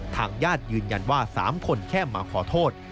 ทางญาติยืนยันว่า๓คนแค่มาขอโทษ